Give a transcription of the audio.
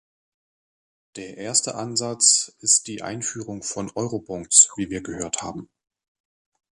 Der erste Ansatz ist die Einführung von Eurobonds, wie wir gehört haben.